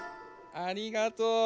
ありがとう！